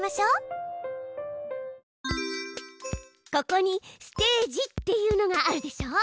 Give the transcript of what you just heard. ここに「ステージ」っていうのがあるでしょう。